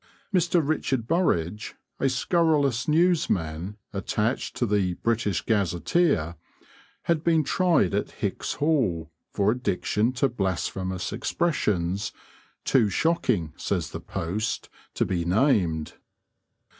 Mr. Richard Burridge, a scurrilous newsman attached to the British Gazetteer, had been tried at Hicks's Hall for addiction to blasphemous expressions, too shocking, says the Post, to be named.